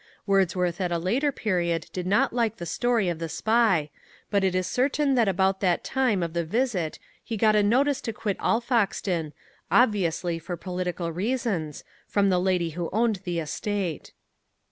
Wordsworth at a later period did not like the story of the spy, but it is certain that about the time of the visit he got notice to quit Alfoxden, obviously for political reasons, from the lady who owned the estate.